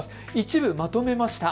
一部まとめました。